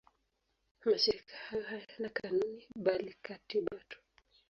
Mashirika hayo hayana kanuni bali katiba tu.